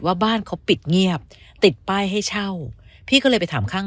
ว่าบ้านเขาปิดเงียบติดป้ายให้เช่าพี่ก็เลยไปถามข้าง